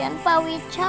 mereka takut sama warga itu